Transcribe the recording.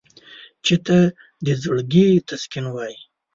چای ته د زړګي تسکین وایم.